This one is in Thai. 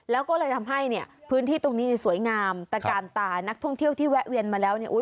แล้วก็เลยทำให้เนี่ยพื้นที่ตรงนี้สวยงามตะกานตานักท่องเที่ยวที่แวะเวียนมาแล้วเนี่ย